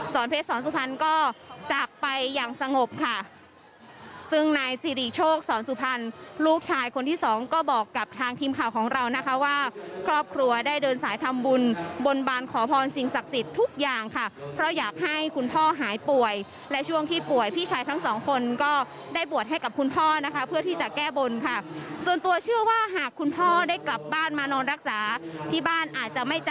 เพชรสอนสุพรรณก็จากไปอย่างสงบค่ะซึ่งนายสิริโชคสอนสุพรรณลูกชายคนที่สองก็บอกกับทางทีมข่าวของเรานะคะว่าครอบครัวได้เดินสายทำบุญบนบานขอพรสิ่งศักดิ์สิทธิ์ทุกอย่างค่ะเพราะอยากให้คุณพ่อหายป่วยและช่วงที่ป่วยพี่ชายทั้งสองคนก็ได้บวชให้กับคุณพ่อนะคะเพื่อที่จะแก้บนค่ะส่วนตัวเชื่อว่าหากคุณพ่อได้กลับบ้านมานอนรักษาที่บ้านอาจจะไม่จ